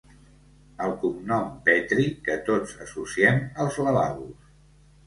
El cognom petri que tots associem als lavabos.